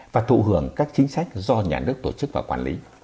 và thụ hưởng các chính sách do nhà nước tổ chức và quản lý